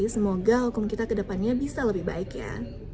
semoga hukum kita ke depannya bisa lebih baik ya